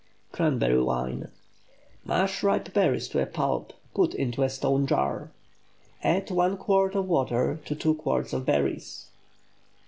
CRANBERRY WINE. Mash ripe berries to a pulp; put into a stone jar. Add 1 quart of water to 2 quarts of berries.